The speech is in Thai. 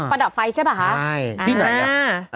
อ๋อประดับไฟใช่ปะครับที่ไหนอ่ะ